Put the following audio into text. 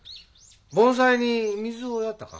盆栽に水をやったか？